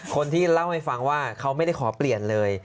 คนที่เล่าให้ฟังว่าเขาไม่ได้ขอเปลี่ยนเลย